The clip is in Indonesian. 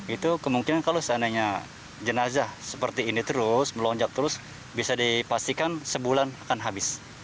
itu kemungkinan kalau seandainya jenazah seperti ini terus melonjak terus bisa dipastikan sebulan akan habis